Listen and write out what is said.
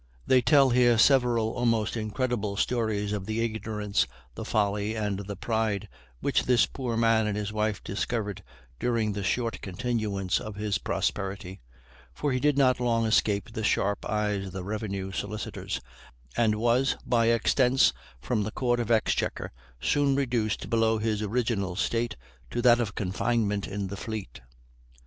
They tell here several almost incredible stories of the ignorance, the folly, and the pride, which this poor man and his wife discovered during the short continuance of his prosperity; for he did not long escape the sharp eyes of the revenue solicitors, and was, by extents from the court of Exchequer, soon reduced below his original state to that of confinement in the Fleet.